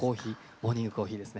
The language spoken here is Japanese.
モーニングコーヒーですね。